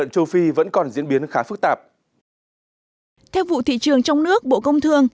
châu phi vẫn còn diễn biến khá phức tạp theo vụ thị trường trong nước bộ công thương